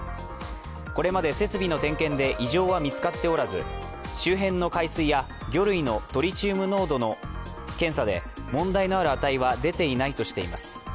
これまで設備の点検で異常は見つかっておらず周辺の海水や魚類のトリチウム濃度の検査で問題のある値は出ていないとしています。